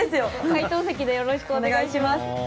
解答席でよろしくお願いします。